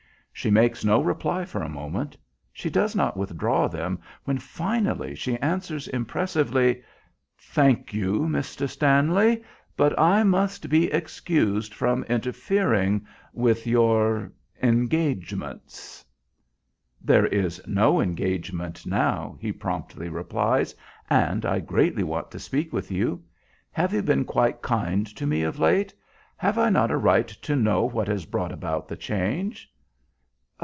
She makes no reply for a moment. She does not withdraw them when finally she answers, impressively, "Thank you, Mr. Stanley, but I must be excused from interfering with your engagements." "There is no engagement now," he promptly replies; "and I greatly want to speak with you. Have you been quite kind to me of late? Have I not a right to know what has brought about the change?"